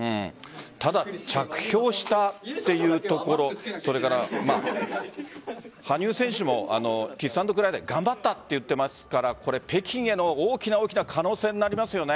ただ、着氷したというところそれから羽生選手もキスアンドクライで頑張ったと言っていますから北京への大きな大きな可能性になりますよね。